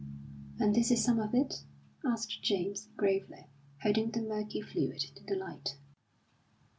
"And this is some of it?" asked James, gravely, holding the murky fluid to the light.